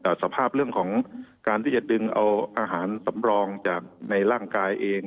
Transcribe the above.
แต่สภาพเรื่องของการที่จะดึงเอาอาหารสำรองจากในร่างกายเอง